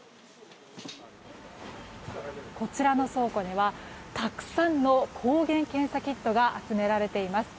こちらの倉庫にはたくさんの抗原検査キットが集められています。